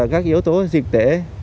các yếu tố dịch tễ